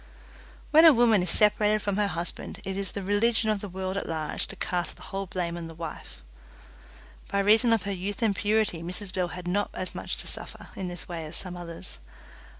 When a woman is separated from her husband it is the religion of the world at large to cast the whole blame on the wife. By reason of her youth and purity Mrs Bell had not as much to suffer in this way as some others.